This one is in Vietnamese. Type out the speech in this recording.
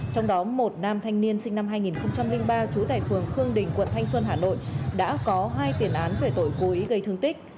trong đó một nam thanh niên sinh năm hai nghìn ba trú tại phường khương đình quận thanh xuân hà nội đã có hai tiền án về tội cố ý gây thương tích